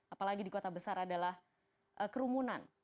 apalagi di kota besar adalah kerumunan